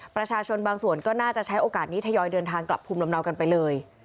ประชาชนบางส่วนก็น่าจะใช้โอกาสนี้ทยอยเดินทางกลับภูมิลำเนากันไปเลย